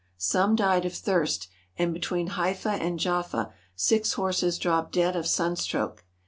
Some died of thirst, and between Haifa and Jaffa six horses dropped dead of sunstroke.